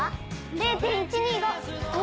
０．１２５。